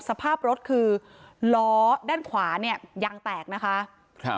สภาพรถคือล้อด้านขวาเนี่ยยางแตกนะคะครับ